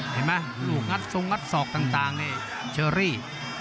เห็นไหมลูกรัดสองรัดศอกต่างเลยเซอรี่